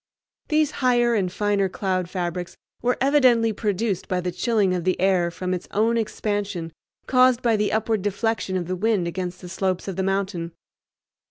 These higher and finer cloud fabrics were evidently produced by the chilling of the air from its own expansion caused by the upward deflection of the wind against the slopes of the mountain.